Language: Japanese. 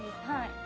はい。